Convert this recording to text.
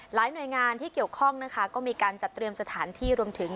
หน่วยงานที่เกี่ยวข้องนะคะก็มีการจัดเตรียมสถานที่รวมถึง